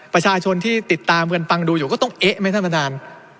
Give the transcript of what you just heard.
ประชาชนที่ติดตามกันฟังดูอยู่ก็ต้องเอ๊ะไหมท่านประธาน